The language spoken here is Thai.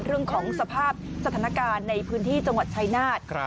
เรื่องของสภาพสถานการณ์ในพื้นที่จังหวัดชายนาฏ